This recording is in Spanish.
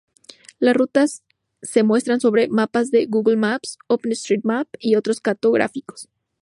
Las rutas se muestran sobre mapas de Google Maps, OpenStreetMap y otros cartográficos.